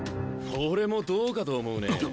俺もどうかと思うねえ。